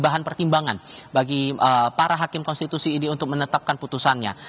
bahan pertimbangan bagi para hakim konstitusi ini untuk menetapkan putusannya